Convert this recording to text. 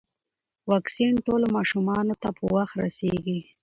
واکسین ټولو ماشومانو ته په وخت رسیږي.